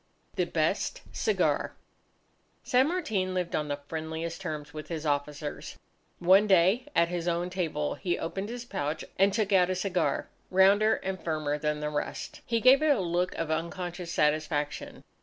The Best Cigar San Martin lived on the friendliest terms with his officers. One day, at his own table, he opened his pouch and took out a cigar, rounder and firmer than the rest. He gave it a look of unconscious satisfaction.